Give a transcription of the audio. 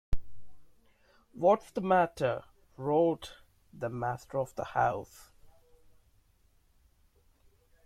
‘What’s the matter?’ roared the master of the house.